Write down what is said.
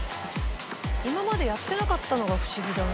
今までやってなかったのが不思議だな。